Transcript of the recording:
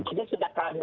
jadi sudah terhadap satu